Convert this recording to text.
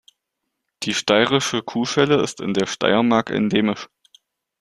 Die Steirische Kuhschelle ist in der Steiermark endemisch.